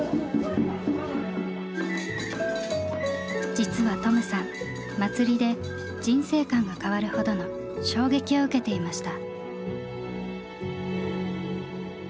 実はトムさん祭りで人生観が変わるほどの衝撃を受けていました。